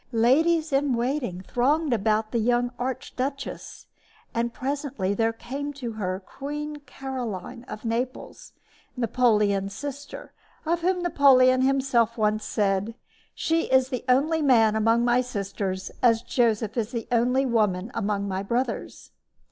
Ladies in waiting thronged about the young archduchess; and presently there came to her Queen Caroline of Naples, Napoleon's sister, of whom Napoleon himself once said: "She is the only man among my sisters, as Joseph is the only woman among my brothers."